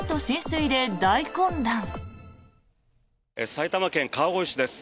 埼玉県川越市です。